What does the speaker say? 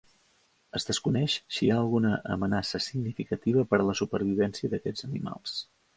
Es desconeix si hi ha alguna amenaça significativa per a la supervivència d'aquests animals.